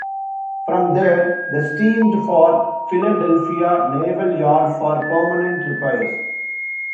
From there, the steamed for Philadelphia Naval Yard for permanent repairs.